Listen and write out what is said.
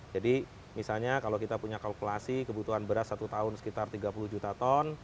jadi misalnya kalau kita punya kalkulasi kebutuhan beras satu tahun sekitar tiga puluh juta ton